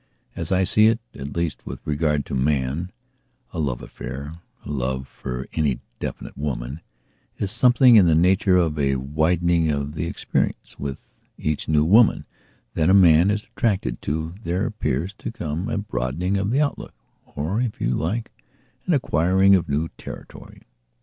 As I see it, at least, with regard to man, a love affair, a love for any definite womanis something in the nature of a widening of the experience. With each new woman that a man is attracted to there appears to come a broadening of the outlook, or, if you like, an acquiring of new territory.